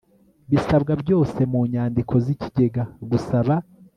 bisabwa byose mu nyandiko z ikigega gusaba